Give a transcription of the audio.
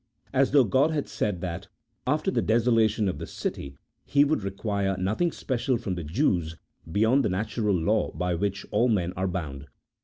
As though God had said that, after the desolation of the city, He would require no thing special from the Jews beyond the natural law by which all men are bound.